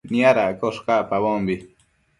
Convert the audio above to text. Niadaccosh cacpabombi